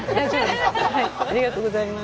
ありがとうございます。